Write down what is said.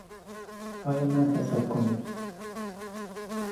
پای من حساب کنید.